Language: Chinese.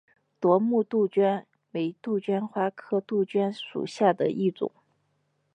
夺目杜鹃为杜鹃花科杜鹃属下的一个种。